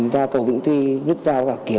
ra cầu vĩnh tuy rút dao và kiếm